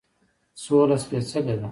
سوله سپیڅلې ده